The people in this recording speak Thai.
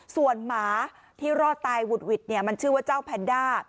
ส่วนหมาที่รอดตายหุดหวิดเนี่ยมันชื่อว่าเจ้าแพนด้า